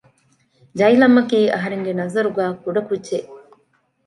ޖައިލަމްއަކީ އަހަރެންގެ ނަޒަރުގައި ކުޑަކުއްޖެެއް